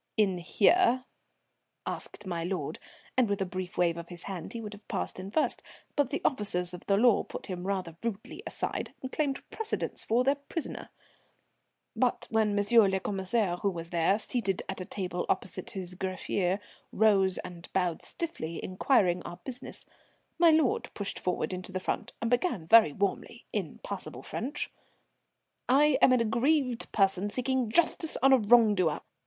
"In here?" asked my lord; and with a brief wave of his hand he would have passed in first, but the officers of the law put him rather rudely aside and claimed precedence for their prisoner. But when M. le Commissaire, who was there, seated at a table opposite his greffier, rose and bowed stiffly, inquiring our business, my lord pushed forward into the front and began very warmly, in passable French: "I am an aggrieved person seeking justice on a wrong doer.